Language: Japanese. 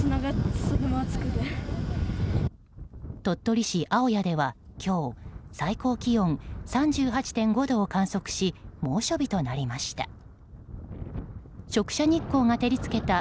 鳥取市青谷では今日最高気温３８．５度を観測し猛暑日となりました。